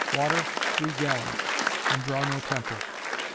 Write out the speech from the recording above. water, 3 gallons, and draw no temper.